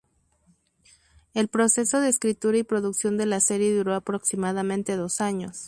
El proceso de escritura y producción de la serie duró aproximadamente dos años.